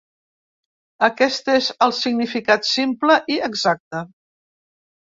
Aquest és el significat simple i exacte.